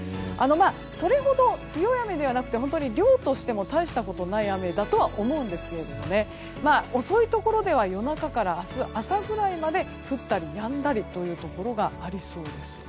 それほど強い雨ではなくて本当に量としても大したことない雨だとは思うんですけど遅いところでは夜中から明日朝ぐらいまで降ったりやんだりというところがありそうです。